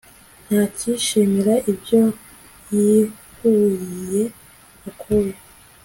ntakishimira ibyo yiyuhiye akuya